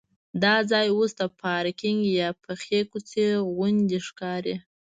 دا ځای اوس د پارکینک یا پخې کوڅې غوندې ښکاري.